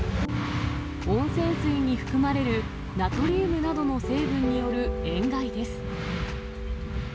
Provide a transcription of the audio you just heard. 温泉水に含まれるナトリウムなどの成分による塩害です。